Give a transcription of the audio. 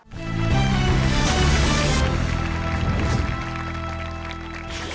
ต้นไม้ครับ